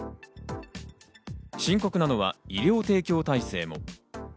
深刻なのは医療提供体制も。